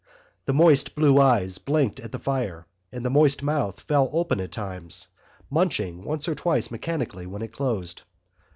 The moist blue eyes blinked at the fire and the moist mouth fell open at times, munching once or twice mechanically when it closed.